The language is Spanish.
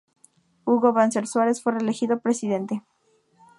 Hugo Banzer Suárez fue reelegido presidente.